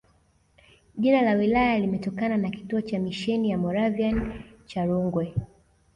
Jina la wilaya limetokana na kituo cha misheni ya Moravian cha Rungwe